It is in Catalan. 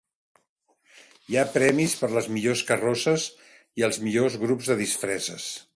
Hi ha premis per les millors carrosses i els millors grups de disfresses.